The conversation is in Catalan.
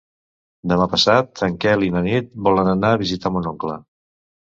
Demà passat en Quel i na Nit volen anar a visitar mon oncle.